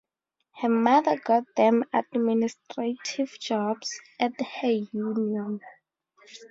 Her mother got them administrative jobs at her union.